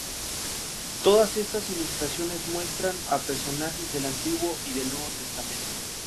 Todas estas ilustraciones muestran a personajes del Antiguo y del Nuevo Testamento.